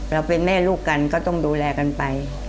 เราเป็นแม่ลูกกันก็ต้องดูแลกันไป